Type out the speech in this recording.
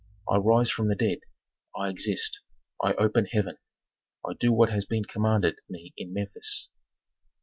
I rise from the dead, I exist, I open heaven; I do what has been commanded me in Memphis."